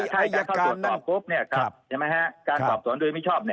แต่ถ้าเข้าตรวจสอบการตรวจส่วนโดยไม่ชอบ